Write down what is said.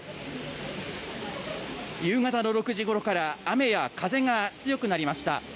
夕方の６時ごろから雨や風が強くなりました。